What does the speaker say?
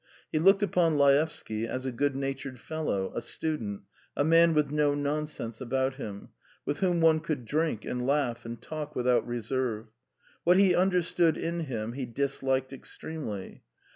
He looked upon Laevsky as a good natured fellow, a student, a man with no nonsense about him, with whom one could drink, and laugh, and talk without reserve. What he understood in him he disliked extremely.